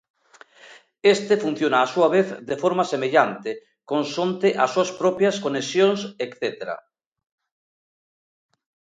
Este funciona, á súa vez, de forma semellante, consonte as súas propias conexións etcétera.